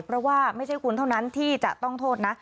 เพราะว่าไม่ใช่คุณเท่านั้นที่จะต้องโทษนะ